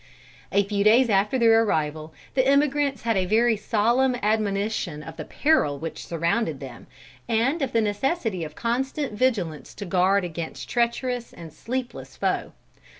A few days after their arrival, the emigrants had a very solemn admonition of the peril which surrounded them, and of the necessity of constant vigilance to guard against a treacherous and sleepless foe.